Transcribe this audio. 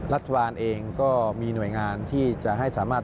รัฐบาลเองก็มีหน่วยงานที่จะให้สามารถ